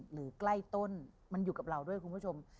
หรือใกล้ต้นมันอยู่กับเราด้วยคุณผู้ชม